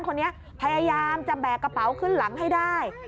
พยายามจะแบกกระเป๋าขึ้นหลังให้ได้